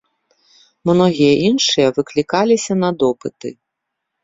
Многія іншыя выклікаліся на допыты.